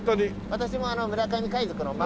私も村上海賊の末裔。